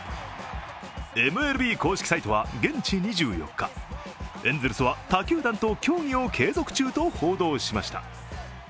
ＭＬＢ公式サイトは現地２４日、エンゼルスは他球団と協議を継続中と報道しました。